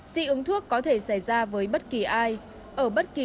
dị ứng thuốc có thể xảy ra với bất kỳ ai